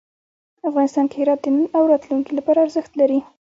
افغانستان کې هرات د نن او راتلونکي لپاره ارزښت لري.